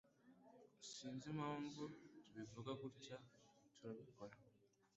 Sinzi impamvu tubivuga gutya, turabikora.